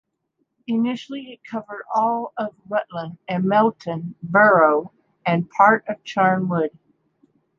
Initially it covered all of Rutland and Melton Borough and part of Charnwood.